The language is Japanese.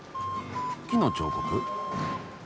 木の彫刻？